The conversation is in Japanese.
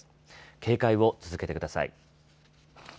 警戒を続けてください。